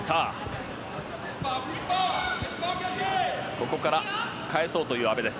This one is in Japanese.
ここから返そうという阿部です。